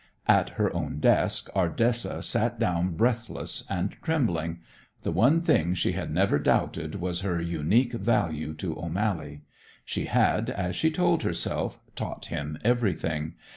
At her own desk Ardessa sat down breathless and trembling. The one thing she had never doubted was her unique value to O'Mally. She had, as she told herself, taught him everything.